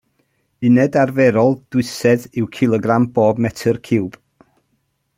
Uned arferol dwysedd yw cilogram pob metr ciwb.